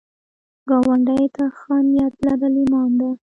ګاونډي ته ښه نیت لرل ایمان ده